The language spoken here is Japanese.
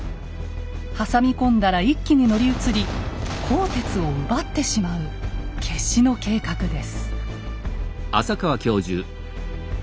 挟み込んだら一気に乗り移り「甲鉄」を奪ってしまう決死の計画です。